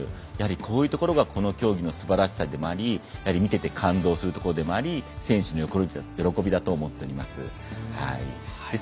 こういうところがこの競技のすばらしさでもあり見ていて感動するところでもあり選手の喜びだと思っています。